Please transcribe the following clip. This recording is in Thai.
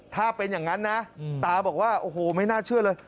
ถ้าเป็นอย่างนั้นนะตาบอกว่าโอ้โหไม่น่าเชื่อเลย